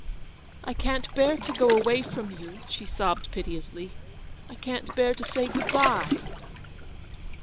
"I can't bear to go away from you," she sobbed piteously, " I can't bear to say good by."